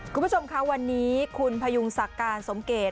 คุณผู้ชมค่ะวันนี้คุณพยุงศักดิ์การสมเกต